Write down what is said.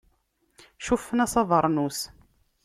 Cuffen-as abeṛnus.